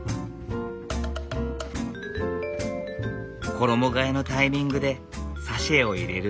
衣がえのタイミングでサシェを入れる。